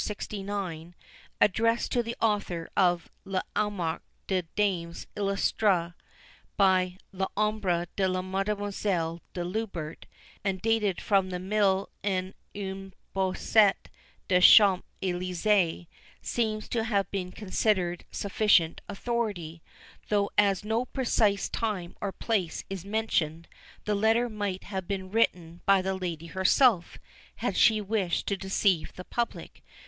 69), addressed to the author of L'Almanach des Dames Illustres, by "l'Ombre de Mademoiselle de Lubert," and dated from the "Mille et unième Bosquet des Champs Elisées," seems to have been considered sufficient authority; though as no precise time or place is mentioned, the letter might have been written by the lady herself had she wished to deceive the public.